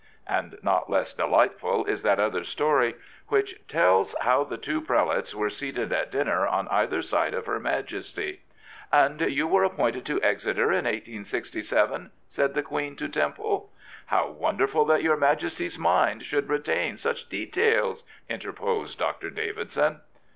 " And not less delightful is that other story which tells how the two prelates were seated at dinner on either side of her Majesty. " And you were appointed to Exeter I3I Prophets, Priests, and Kings in 1867 ?said the Queen to Temple. How wonderful that your Majesty's mind should retain such details!" interposed Dr. Davidson.